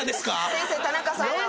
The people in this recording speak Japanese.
先生田中さんが。